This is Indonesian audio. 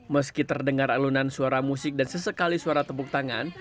meski terdengar alunan suara musik dan sesekali suara tepuk tangan